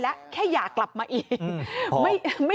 เจ้าของห้องเช่าโพสต์คลิปนี้